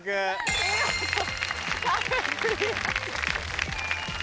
見事壁クリアです。